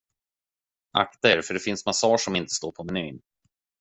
Akta er för det finns massage som inte står på menyn.